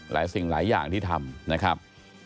หลายสิ่งหลายอย่างที่ทำนะครับ